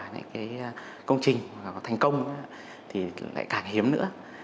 những cái công trình và có thành công thì lại càng hiếm nữa